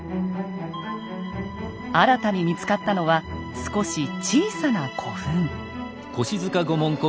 新たに見つかったのは少し小さな古墳。